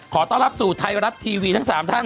ขอต้อนรับสู่ไทรัตว์ทีวีทั้ง๓ท่านครับ